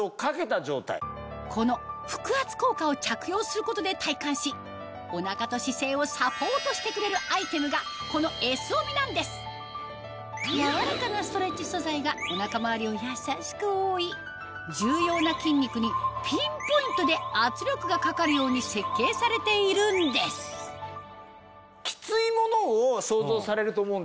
この腹圧効果を着用することで体感しお腹と姿勢をサポートしてくれるアイテムがこのＳ帯なんです柔らかなストレッチ素材がお腹周りをやさしく覆い重要な筋肉にピンポイントで圧力がかかるように設計されているんですきついものを想像されると思うんですよ